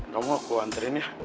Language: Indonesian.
kamu aku anterin ya